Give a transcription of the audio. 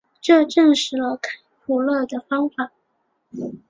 这证实了开普勒的方法。